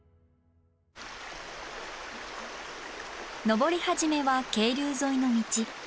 登り始めは渓流沿いの道。